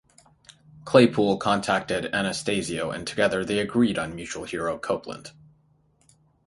Claypool contacted Anastasio and together they agreed on mutual hero, Copeland.